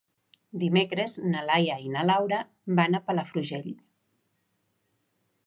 Dimecres na Laia i na Laura van a Palafrugell.